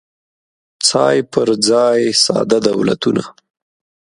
څای پر ځای ساده دولتونه